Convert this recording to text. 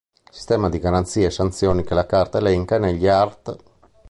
Il sistema di garanzie e sanzioni che la Carta elenca agli artt.